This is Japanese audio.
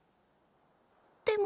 でも。